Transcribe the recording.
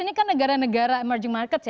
ini kan negara negara emerging markets ya